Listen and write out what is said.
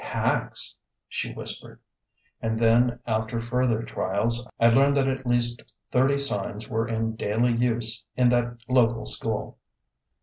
"Pax," she whispered; and then, after further trials, I learned that at least thirty signs were in daily use in that local school.